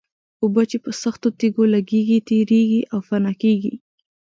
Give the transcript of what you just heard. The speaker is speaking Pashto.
اوبه چې په سختو تېږو لګېږي تېرېږي او فنا کېږي.